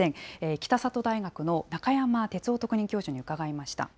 北里大学の中山哲夫特任教授に伺いました。